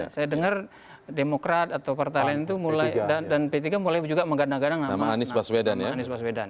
saya dengar demokrat atau partai lain itu mulai dan p tiga mulai juga mengganda gadang nama anies baswedan anies baswedan